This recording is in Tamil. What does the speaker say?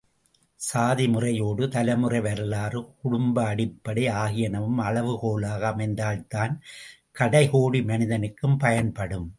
சாதி முறையோடு தலைமுறை வரலாறு, குடும்ப அடிப்படை ஆகியனவும் அளவு கோலாக அமைந்தால்தான் கடைகோடி மனிதனுக்கும் பயன்படும்.